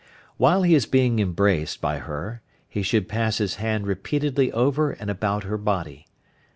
While he is being embraced by her he should pass his hand repeatedly over and about her body.